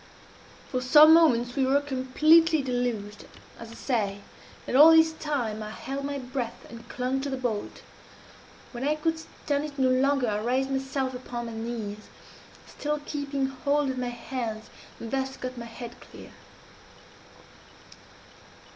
"For some moments we were completely deluged, as I say, and all this time I held my breath, and clung to the bolt. When I could stand it no longer I raised myself upon my knees, still keeping hold with my hands, and thus got my head clear.